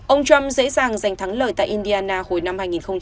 ông trump dễ dàng giành thắng lợi tại indiana hồi năm hai nghìn một mươi